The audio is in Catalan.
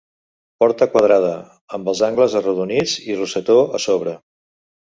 Porta quadrada, amb els angles arrodonits i rosetó a sobre.